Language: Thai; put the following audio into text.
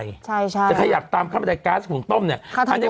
อะใช่ใช่แต่ถ้าอยากตามในการณ์ขุมต้มเนี่ยค่าทางต่วนด้วยเนี่ยอันนี้